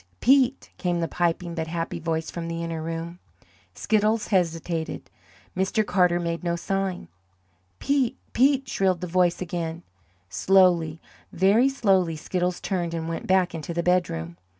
Pete!" came the piping but happy voice from the inner room. Skiddles hesitated. Mr. Carter made no sign. "Pete! Pete!" shrilled the voice again. Slowly, very slowly, Skiddles turned and went back into the bedroom.